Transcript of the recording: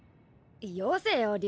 よせよ竜。